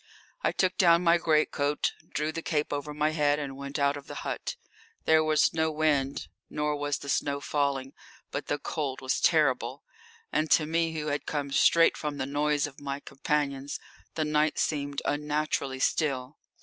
I took down my great coat, drew the cape over my head, and went out of the hut. There was no wind, nor was the snow falling, but the cold was terrible, and to me who had come straight from the noise of my companions the night seemed unnaturally still.